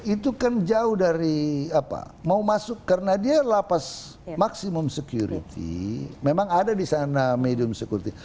itu kan jauh dari apa mau masuk karena dia lapas maksimum security memang ada di sana medium security